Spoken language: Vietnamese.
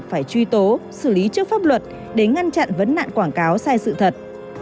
phải truy tố xử lý trước pháp luật để ngăn chặn vấn nạn quảng cáo sai sự thật